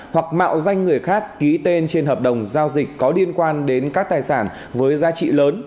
hoặc mạo danh người khác ký tên trên hợp đồng giao dịch có liên quan đến các tài sản với giá trị lớn